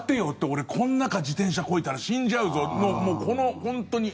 俺この中、自転車こいだら死んじゃうぞ。